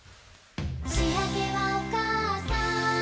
「しあげはおかあさん」